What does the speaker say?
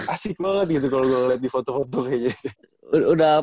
asik banget gitu kalo gue liat di foto foto kayaknya